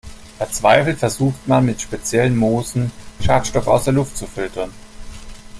Verzweifelt versucht man, mit speziellen Moosen Schadstoffe aus der Luft zu filtern.